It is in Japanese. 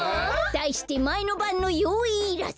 だいしてまえのばんのよういいらず！